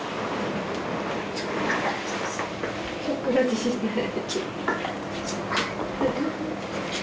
ちょっくら自信ない？